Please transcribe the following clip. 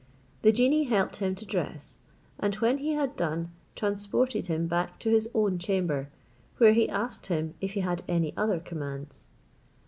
The genie helped him to dress, and when he had done, transported him back to his own chamber, where he asked him if he had any other commands.